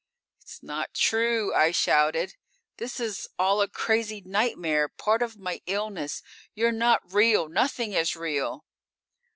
"_ _"It's not true!" I shouted. "This is all a crazy nightmare, part of my illness! You're not real! Nothing is real!"